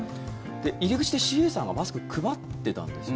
入り口でＣＡさんがマスク配ってたんですよ。